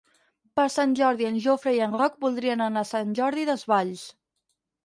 Per Sant Jordi en Jofre i en Roc voldrien anar a Sant Jordi Desvalls.